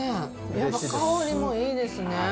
やっぱ香りもいいですね。